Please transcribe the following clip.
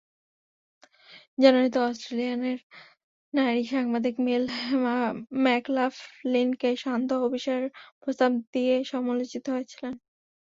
জানুয়ারিতে অস্ট্রেলিয়ান নারী সাংবাদিক মেল ম্যাকলাফলিনকে সান্ধ্য অভিসারের প্রস্তাব দিয়ে সমালোচিত হয়েছিলেন।